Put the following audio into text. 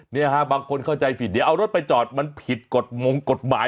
เนี่ยฮะบางคนเข้าใจผิดเดี๋ยวเอารถไปจอดมันผิดกฎมงกฎหมาย